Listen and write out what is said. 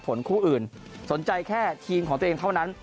คู่อื่นสนใจแค่ทีมของตัวเองเท่านั้น